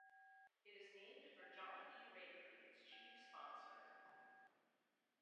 It is named for John E. Raker, its chief sponsor.